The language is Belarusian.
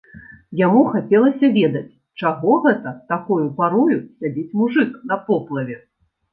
Яму хацелася ведаць, чаго гэта такою парою сядзіць мужык на поплаве.